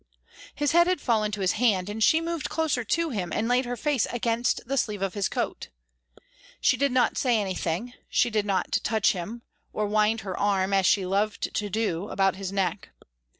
His head had fallen to his hand, and she moved closer to him and laid her face against the sleeve of his coat. She did not say anything, she did not touch him, or wind her arm, as she loved to do, about his neck.